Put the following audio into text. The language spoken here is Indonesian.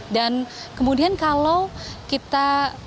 dan kemudian kalau kita